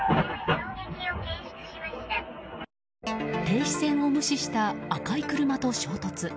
停止線を無視した赤い車と衝突。